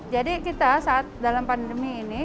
jadi kita saat dalam pandemi ini